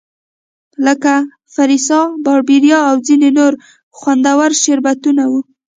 لکه فریسا، باربیرا او ځیني نور خوندور شربتونه وو.